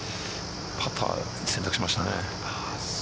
パター選択しましたね。